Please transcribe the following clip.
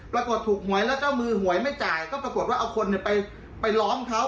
ปรากฏถูกหวยแล้วก็มือหวยไม่จ่ายก็ปรากฏว่าเอาคนไปล้อมเขา